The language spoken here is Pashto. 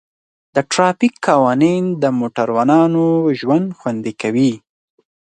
د ټرافیک قوانین د موټروانو ژوند خوندي کوي.